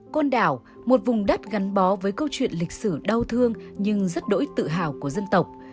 côn đảo một vùng đất gắn bó với câu chuyện lịch sử đau thương nhưng rất đỗi tự hào của dân tộc